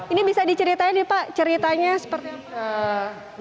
ini bisa diceritain nih pak ceritanya seperti apa